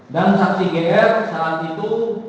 dan saksi gr saat itu